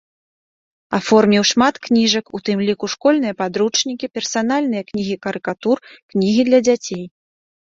Аформіў шмат кніжак, у тым ліку школьныя падручнікі, персанальныя кнігі карыкатур, кнігі для дзяцей.